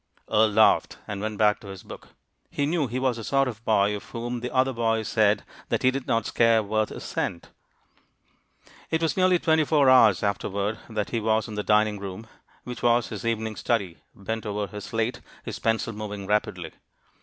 Earle laughed, and went back to his book. He knew he was the sort of boy of whom the other boys said that he did not "scare worth a cent." It was nearly twenty four hours afterward that he was in the dining room, which was his evening study, bent over his slate, his pencil moving rapidly.